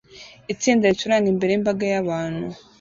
Itsinda ricuranga imbere yimbaga yabantu